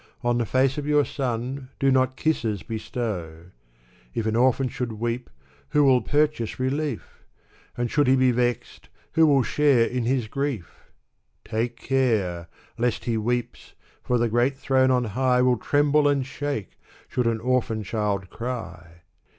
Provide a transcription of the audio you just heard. On the face of your son, do not kisses bestow ! If an orphan should weep, who will purchase relief? And should he be vexed, who will share in his grief? Take care ! lest he weeps, for the great throne on high Will tremble and shake, should an orphan child cry